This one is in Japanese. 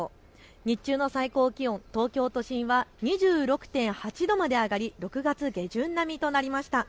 日中の最高気温、東京都心は２６．８度まで上がり６月下旬並みとなりました。